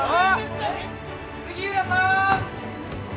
杉浦さん！